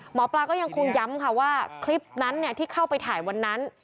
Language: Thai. หมอปลาก็ยังคงย้ำค่ะว่าคลิปนั้นที่เข้าไปถ่ายวันนั้น